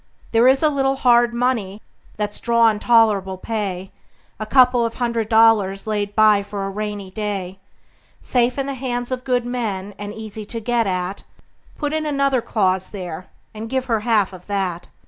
There is a little hard money that's drawin' tol'rable pay: A couple of hundred dollars laid by for a rainy day; Safe in the hands of good men, and easy to get at; Put in another clause there, and give her half of that.